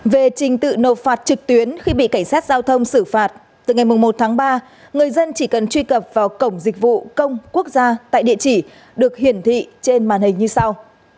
về trình tự nộp phạt trực tuyến khi bị cảnh sát giao thông xử phạt từ ngày một tháng ba người dân chỉ cần truy cập vào cổng dịch vụ công quốc gia tại địa chỉ được hiển thị trên màn hình như sau